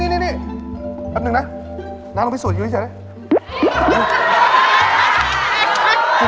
นี่นี่นิดนึงนะน้ำลงไปสูดอยู่ดีกว่าได้